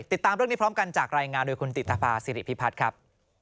ติดตามเรื่องนี้พร้อมกันจากรายงานโดยคุณติธภาษิริพิพัฒน์ครับ